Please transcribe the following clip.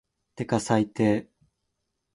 てか最低